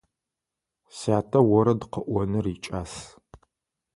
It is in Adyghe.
Сятэ орэд къыӏоныр икӏас.